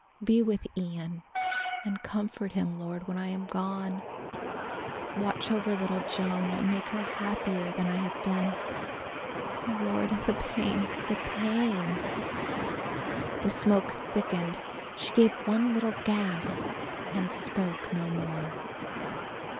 Be with Ian and comfort him, Lord, when I am gone. Watch over little Joan and make her happier than I have been. Oh, Lord, the pain, the pain!" The smoke thickened, she gave one little gasp and spoke no more.